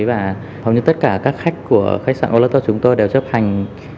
và hầu như tất cả các khách của khách sạn olo tết của chúng tôi đều chấp hành